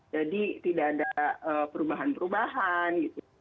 jadi tidak ada perubahan perubahan